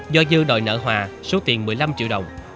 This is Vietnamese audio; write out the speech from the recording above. do dư đòi nợ hòa số tiền một mươi năm triệu đồng